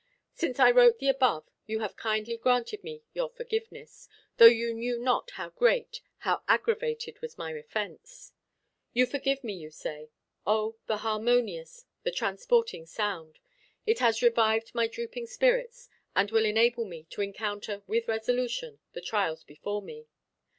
Since I wrote the above, you have kindly granted me your forgiveness, though you knew not how great, how aggravated was my offence. You forgive me, you say. O, the harmonious, the transporting sound! It has revived my drooping spirits, and will enable me to encounter, with resolution, the trials before me.